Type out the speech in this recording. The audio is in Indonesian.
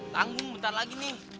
langung bentar lagi nih